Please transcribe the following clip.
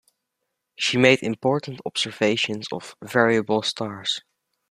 She made important observations of variable stars.